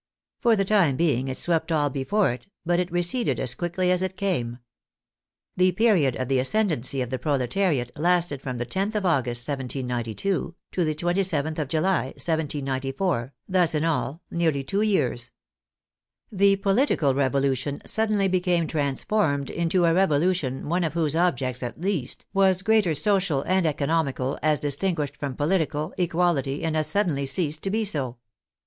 For the time being it swept all before it, but it receded as quickly as it came. The period of the ascendancy of the proletariat lasted from the lotli of August, 1792, to the 27th of July, 1794, thus in all nearly two years. The political revolution suddenly be came transformed into a revolution one of whose objects at least was greater social and economical, as distin guished from political, equality, and as suddenly ceased to be so.